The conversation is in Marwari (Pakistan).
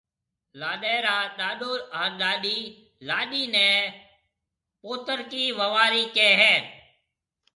لاڏيَ را ڏاڏو هانَ ڏاڏِي لاڏيِ نَي پوترڪِي ووارِي ڪهيَ هيَ۔